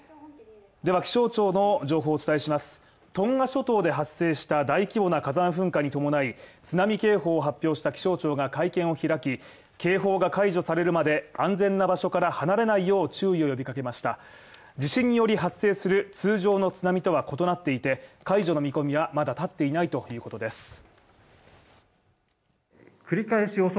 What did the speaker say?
では気象庁の情報をお伝えしますトンガ諸島で発生した大規模な火山噴火に伴い津波警報を発表した気象庁が会見を開き、警報が解除されるまで安全な場所から離れないよう注意を呼びかけました地震により発生する通常の津波とは異なっていて、解除の見込みはまだ立っていないということです。